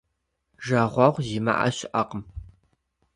Жагъуэгъу зимыӏэ щыӏэкъым.